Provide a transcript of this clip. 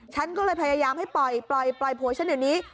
ฉันก็เลยพยายามให้ปล่อยปล่อยปล่อยผัวฉันเดี๋ยวนี้